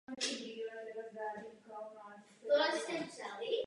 Celoživotní vzdělávání budou organizovat komory, odborné společnosti a vysoké školy.